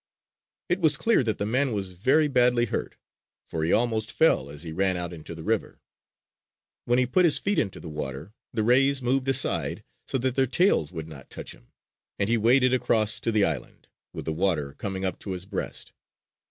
It was clear that the man was very badly hurt; for he almost fell as he ran out into the river. When he put his feet into the water, the rays moved aside so that their tails would not touch him; and he waded across to the island, with the water coming up to his breast.